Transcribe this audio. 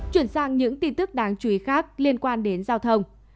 chuyển sang những tin tức đáng chú ý khác liên quan đến giao thông